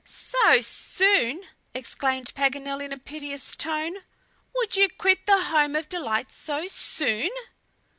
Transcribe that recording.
"So soon!" exclaimed Paganel in a piteous tone. "Would you quit the home of delight so soon?"